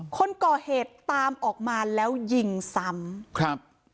คนก่อเหตุตามออกมาแล้วยิงซ้ำครับ